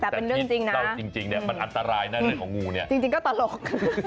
เป็นเรื่องจริงนะจริงเนี่ยมันอัตรายของงูเนี่ยจริงก็ตลก